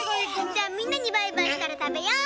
じゃあみんなにバイバイしたらたべよう。